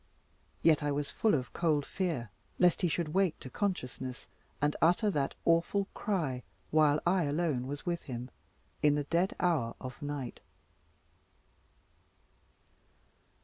Yet I was full of cold fear, lest he should awake to consciousness, and utter that awful cry, while I alone was with him, in the dead hour of night.